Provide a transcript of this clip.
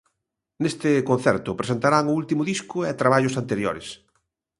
Neste concerto presentarán o último disco e traballos anteriores.